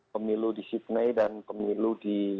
pemilu di sydney dan pemilu di